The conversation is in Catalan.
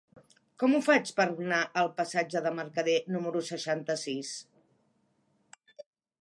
Com ho faig per anar al passatge de Mercader número seixanta-sis?